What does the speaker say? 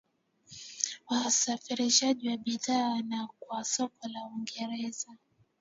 wasafirishaji wa bidhaa na kwa soko la uingereza